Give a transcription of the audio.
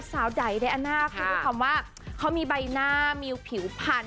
สาวใดไม้อาณาคคุณคุณคำว่าเขามีใบหน้ามีผิวพัน